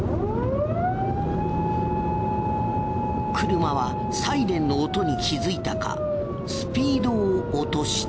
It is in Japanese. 車はサイレンの音に気づいたかスピードを落とした。